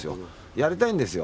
やりたいんですよ